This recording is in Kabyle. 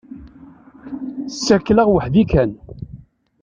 Ssakleɣ weḥd-i kan.